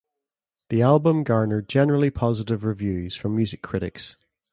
The album garnered generally positive reviews from music critics.